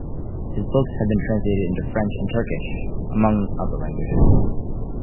His books have been translated into French and Turkish, among other languages.